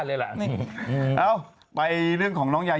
พี่ต้าเขาเรียกบองราง